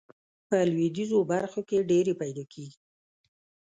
په لویدیځو برخو کې ډیرې پیداکیږي.